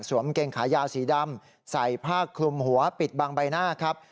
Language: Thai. กางเกงขายาวสีดำใส่ผ้าคลุมหัวปิดบางใบหน้าครับ